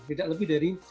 beda lebih dari